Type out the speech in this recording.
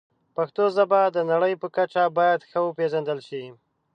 پښتو ژبه د نړۍ په کچه باید ښه وپیژندل شي.